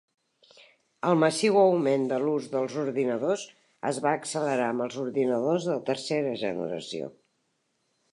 El massiu augment de l'ús dels ordinadors es va accelerar amb els ordinadors de "Tercera Generació".